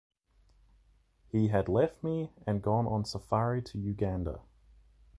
He had left me and gone on safari to Uganda.